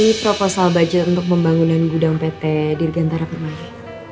ini proposal budget untuk pembangunan gudang pt dirgantara permai